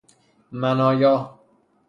منایا